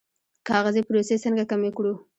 کاغذي پروسې څنګه کمې کړو؟